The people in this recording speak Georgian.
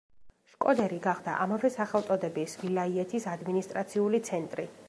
შკოდერი გახდა ამავე სახელწოდების ვილაიეთის ადმინისტრაციული ცენტრი.